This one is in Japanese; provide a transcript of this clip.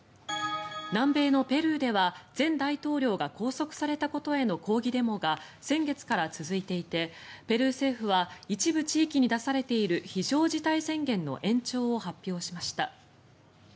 南米のペルーでは前大統領が拘束されたことへの抗議デモが先月から続いていてペルー政府は一部地域に出されている非常事態宣言の延長を発表しました。